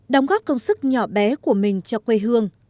đóng góp công sức nhỏ bé của mình cho quê hương